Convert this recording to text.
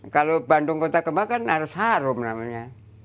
kalau bandung kota kembang kan harus harum namanya